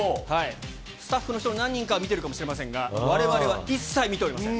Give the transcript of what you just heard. スタッフの人、何人かは見てるかもしれませんが、われわれは一切見ておりません。